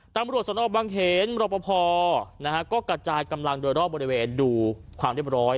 ตำรวจสนบังเขนรปภนะฮะก็กระจายกำลังโดยรอบบริเวณดูความเรียบร้อย